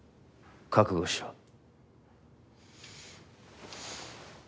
覚悟しろ。